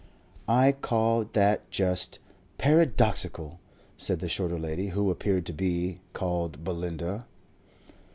"I call that just paradoxical," said the shorter lady, who appeared to be called Belinda.